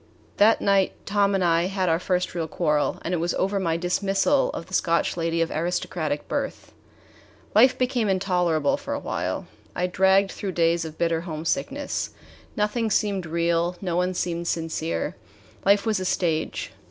That night Tom and I had our first real quarrel, and it was over my dismissal of the Scotch lady of aristocratic birth. Life became intolerable for a while. I dragged through days of bitter homesickness. Nothing seemed real. No one seemed sincere. Life was a stage.